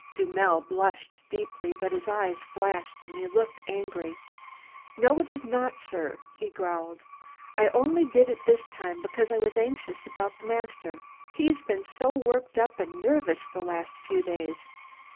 Dummel blushed deeply, but his eyes flashed, and he looked angry. "No, it is not, sir," he growled. "I only did it this time because I was anxious about the master. He's been so worked up and nervous the last few days.